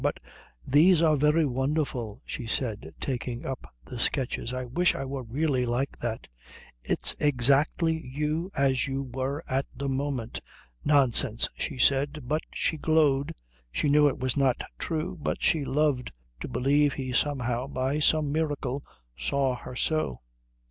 But these are very wonderful," she said, taking up the sketches. "I wish I were really like that." "It's exactly you as you were at the moment." "Nonsense," she said; but she glowed. She knew it was not true, but she loved to believe he somehow, by some miracle, saw her so.